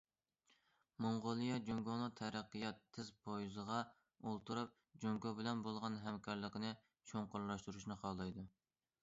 موڭغۇلىيە جۇڭگونىڭ تەرەققىيات تېز پويىزىغا ئولتۇرۇپ، جۇڭگو بىلەن بولغان ھەمكارلىقنى چوڭقۇرلاشتۇرۇشنى خالايدۇ.